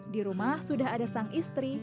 di rumah sudah ada sang istri